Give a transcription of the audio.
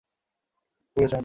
শুনুন না, মিমি জি?